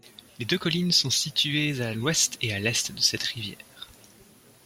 Les deux collines sont situées à l'Ouest et à l'Est de cette rivière.